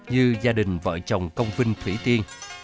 như gia đình vợ chồng công vinh thủy tiên